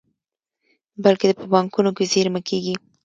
بلکې په بانکونو کې زېرمه کیږي.